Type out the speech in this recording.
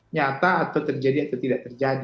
nyata atau terjadi atau tidak terjadi